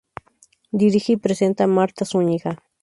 Dirige y presenta Marta Zúñiga.